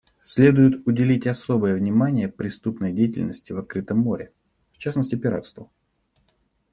Следует уделить особое внимание преступной деятельности в открытом море, в частности пиратству.